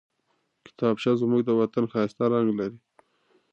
کتابچه زموږ د وطن ښايسته رنګ لري